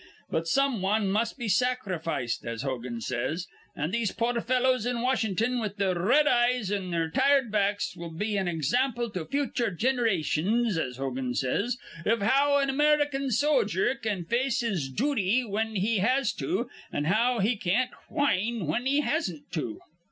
But some wan must be sacrificed, as Hogan says. An' these poor fellows in Washin'ton with their r red eyes an' their tired backs will be an example to future ginerations, as Hogan says, iv how an American sojer can face his jooty whin he has to, an' how he can't whin he hasn't to."